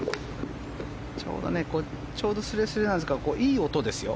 ちょうどスレスレなんですがいい音ですよ。